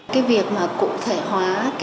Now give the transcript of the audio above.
cái việc cụ thể hóa